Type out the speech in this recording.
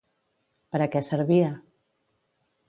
Per a què servia?